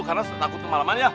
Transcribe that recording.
karena takut kemalaman ya